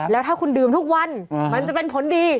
แล้วถ้าคุณดื่มทุกวันมันจะเป็นผลดี